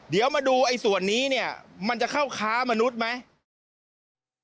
เดี๋ยวมาดูไอ้ส่วนนี้เนี่ยมันจะเข้าค้ามนุษย์ไหม